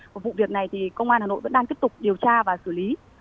của vụ việc này thì công an hà nội vẫn đang tiếp tục điều tra và xử lý